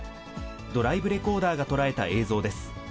ドライブレコーダーが捉えた映像です。